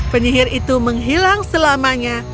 penyihir itu menghilang selamanya